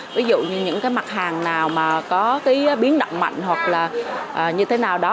ví dụ như những mặt hàng nào mà có biến động mạnh hoặc là như thế nào đó